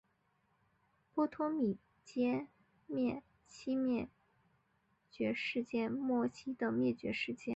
波托米阶末期灭绝事件末期的灭绝事件。